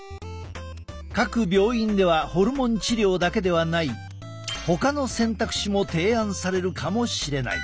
各病院ではホルモン治療だけではないほかの選択肢も提案されるかもしれない。